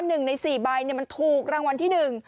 หนึ่งในสี่ใบมันถูกรางวัลที่หนึ่ง